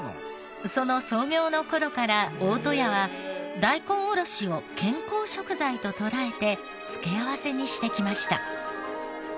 その創業の頃から大戸屋は大根おろしを健康食材と捉えて付け合わせにしてきました。